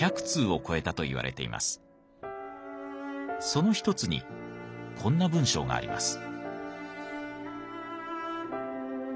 その一つにこんな文章があります。